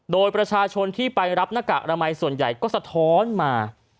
โดยประชาชนที่ไปรับหน้ากากอนามัยส่วนใหญ่ก็สะท้อนมา